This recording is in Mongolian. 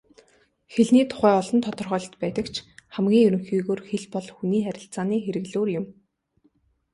Хэлний тухай олон тодорхойлолт байдаг ч хамгийн ерөнхийгөөр хэл бол хүний харилцааны хэрэглүүр юм.